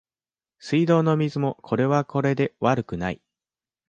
水道の水もこれはこれで悪くない